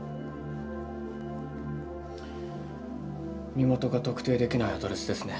身元が特定できないアドレスですね。